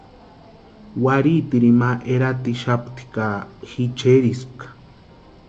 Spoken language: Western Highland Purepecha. Warhiitirini ma eratixapti ka ji cherhixapka.